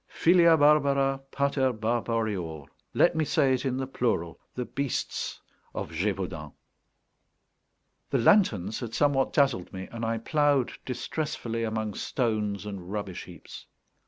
Filia barbara pater barbarior. Let me say it in the plural: the Beasts of Gévaudan. The lanterns had somewhat dazzled me, and I ploughed distressfully among stones and rubbish heaps.